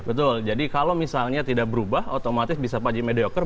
betul jadi kalau misalnya tidak berubah otomatis bisa paji medioker